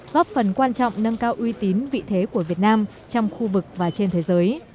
góp phần quan trọng nâng cao uy tín vị thế của việt nam trong khu vực và trên thế giới